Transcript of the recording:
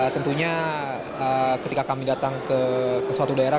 tentunya ketika kami datang ke suatu daerah